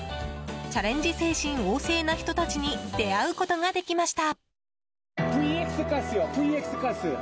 チャレンジ精神旺盛な人たちに出会うことができました。